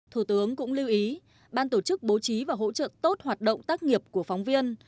thủ tướng cũng lưu ý ban tổ chức bố trí và hỗ trợ tốt hoạt động tác nghiệp của phóng viên